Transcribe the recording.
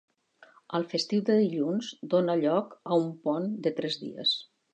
El festiu de dilluns dona lloc a un pont de tres dies.